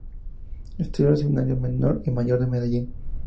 Estudió en los seminarios menor y mayor de Medellín.